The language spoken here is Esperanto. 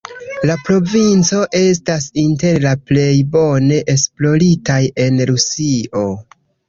La provinco estas inter la plej bone esploritaj en Rusio.